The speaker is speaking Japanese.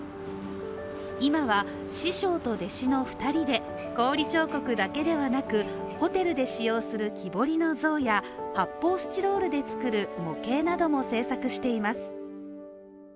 今は師匠と弟子の２人で、氷彫刻だけではなくホテルで使用する木彫りの像や発泡スチロールで作る模型なども製作しています。